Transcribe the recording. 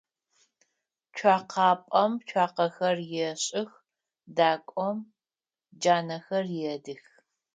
Цокъапӏэм цуакъэхэр ешӏых, дакӏом джанэхэр едых.